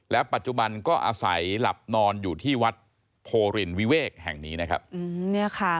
และปัจจุบันก็อาศัยหลับนอนอยู่ที่วัดโพรินวิเวกแห่งนี้นะครับอืมเนี่ยค่ะ